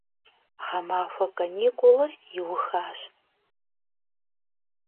Ğemaxue kanikulır yiuxaş.